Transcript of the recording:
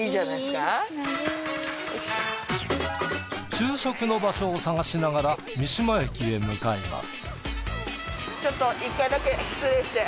昼食の場所を探しながら三島駅へ向かいます。